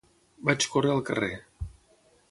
Vaig córrer al carrer